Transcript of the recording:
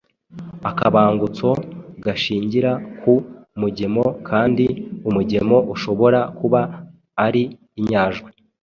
Akabangutso gashingira ku mugemo kandi umugemo ushobora kuba ari inyajwi,